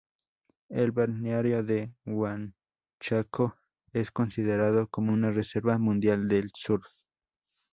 El balneario de Huanchaco es considerado como una reserva mundial del surf.